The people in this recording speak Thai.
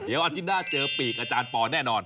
เดี๋ยวอาทิตย์หน้าเจอปีกอาจารย์ปอแน่นอน